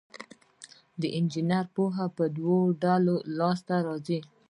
د انجینر پوهه په دوه ډوله لاس ته راځي.